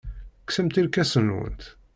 Kksemt irkasen-nwent.